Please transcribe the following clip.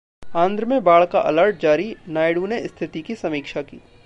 आंध्र में बाढ़ का अलर्ट जारी, नायडू ने स्थिति की समीक्षा की